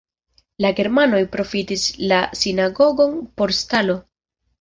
La germanoj profitis la sinagogon por stalo.